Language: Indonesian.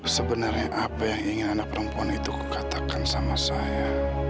sebenarnya apa yang ingin anak perempuan itu kekatakan sama saya